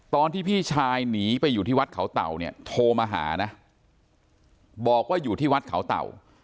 พี่ชายหนีไปอยู่ที่วัดเขาเต่าเนี่ยโทรมาหานะบอกว่าอยู่ที่วัดเขาเต่า